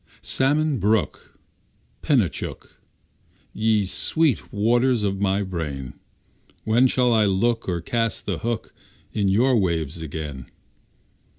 Salmon Brook, Penichook, Ye sweet waters of my brain, When shall I look, Or cast the hook, In your waves again?